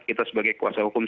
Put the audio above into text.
kita sebagai kuasa hukum